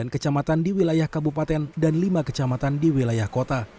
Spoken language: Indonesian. sembilan kecamatan di wilayah kabupaten dan lima kecamatan di wilayah kota